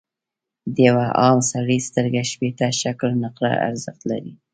د یوه عام سړي سترګه شپیته شِکِل نقره ارزښت لري.